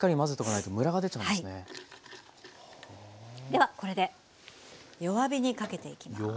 ではこれで弱火にかけていきます。